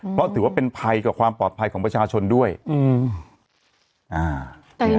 เพราะถือว่าเป็นภัยกับความปลอดภัยของประชาชนด้วยอืมอ่า